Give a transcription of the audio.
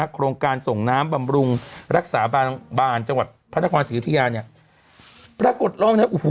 โครงการส่งน้ำบำรุงรักษาบ้านจังหวัดพระราชาวันศรีอุทิาปรากฎลง